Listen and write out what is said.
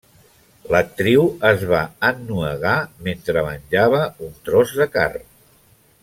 L'actriu es va ennuegar mentre menjava un tros de carn.